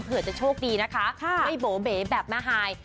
เผื่อจะโชคดีนะคะไม่โบเบ๋แบบแม่ฮาย